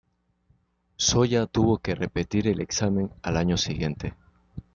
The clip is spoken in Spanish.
Zoya tuvo que repetir el examen al año siguiente.